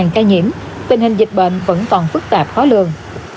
ca nhiễm tình hình dịch bệnh vẫn còn phức tạp khó lường